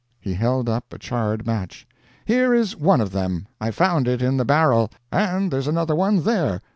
He held up a charred match. "Here is one of them. I found it in the barrel and there's another one there."